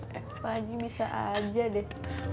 pak haji bisa aja deh